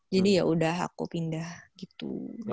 jadi yaudah aku pindah gitu